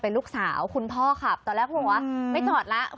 เป็นลูกสาวคุณพ่อขับตอนแรกเขาบอกว่าไม่จอดแล้ว